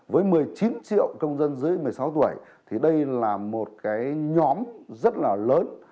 với một mươi chín triệu công dân dưới một mươi sáu tuổi thì đây là một cái nhóm rất là lớn